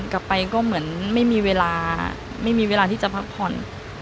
กลับไปก็เหมือนไม่มีเวลาไม่มีเวลาที่จะพักผ่อน